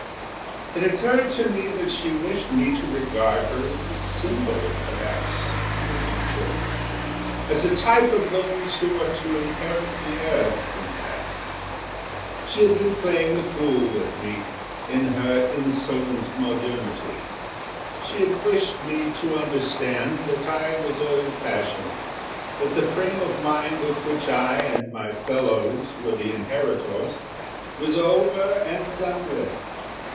It occurred to me that she wished me to regard her as a symbol, perhaps, of the future as a type of those who are to inherit the earth, in fact. She had been playing the fool with me, in her insolent modernity. She had wished me to understand that I was old fashioned; that the frame of mind of which I and my fellows were the inheritors was over and done with.